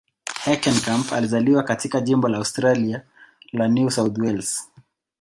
Heckenkamp alizaliwa katika jimbo la Australia la New South Wales.